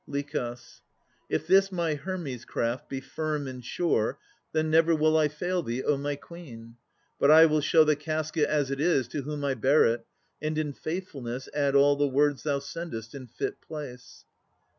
LICH. If this my Hermes craft be firm and sure, Then never will I fail thee, O my Queen! But I will show the casket as it is To whom I bear it, and in faithfulness Add all the words thou sendest in fit place.